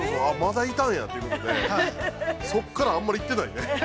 あっ、まだいたんやということでそこからあんまり行ってないね。